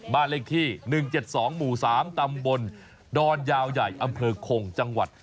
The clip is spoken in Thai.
บ้านเลขที่๑๗๒หมู่๓ตำบลดอนยาวใหญ่อำเภอคงจังหวัด